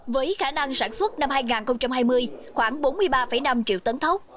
với khả năng sản xuất năm hai nghìn hai mươi khoảng bốn mươi ba năm triệu tấn thốc